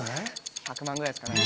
１００万ぐらいですかね。